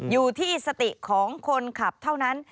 อยู่ที่สติของคนขับเท่านั้น